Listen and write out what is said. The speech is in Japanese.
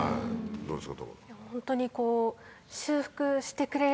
どうですか？